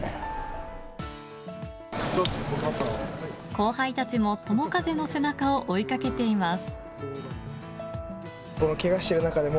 後輩たちも友風の背中を追いかけています。